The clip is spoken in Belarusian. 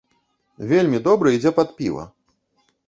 Вельмі добра ідзе пад піва.